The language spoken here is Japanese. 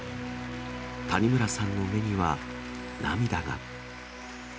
谷村さんの目には涙が。